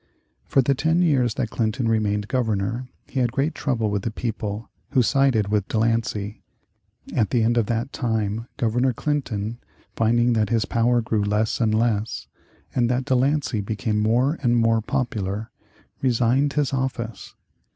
For the ten years that Clinton remained Governor he had great trouble with the people, who sided with De Lancey. At the end of that time Governor Clinton, finding that his power grew less and less, and that De Lancey became more and more popular, resigned his office.